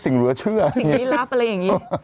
สิ่งหรือเชื่อสิ่งนี้รับไปเลยอย่างนี้